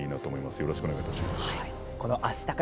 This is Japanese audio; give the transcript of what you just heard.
よろしくお願いします。